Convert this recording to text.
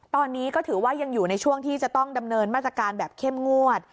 ตอนนี้ก็ถือว่ายังอยู่ในช่วงที่จะต้องดำเนินมาตรการแบบเข้มงวด